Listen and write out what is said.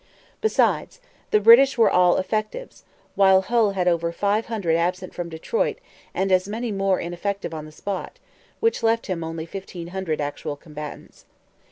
Besides, the British were all effectives; while Hull had over five hundred absent from Detroit and as many more ineffective on the spot; which left him only fifteen hundred actual combatants.